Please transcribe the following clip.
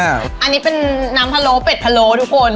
อันนี้เป็นน้ำพะโล้เป็ดพะโล้ทุกคน